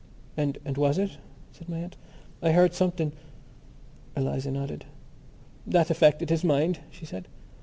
"And was that it?" said my aunt. "I heard something...." Eliza nodded. "That affected his mind," she said.